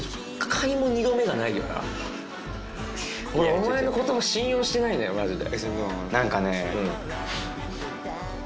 お前の言葉信用してないのよマジで。